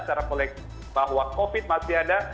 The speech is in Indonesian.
secara kolektif bahwa covid masih ada